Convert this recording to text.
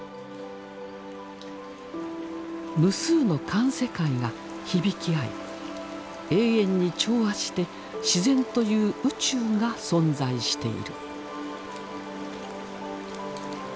無数の環世界が響き合い永遠に調和して自然という宇宙が存在している。